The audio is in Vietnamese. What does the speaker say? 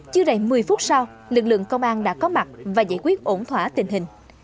chưa đầy một mươi phút sau lực lượng công an đã có mặt và giải quyết ổn thỏa tình hình